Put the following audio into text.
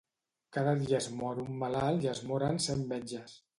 Cada dia es mor un malalt i moren cent metges.